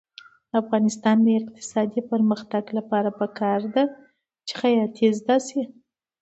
د افغانستان د اقتصادي پرمختګ لپاره پکار ده چې خیاطۍ زده شي.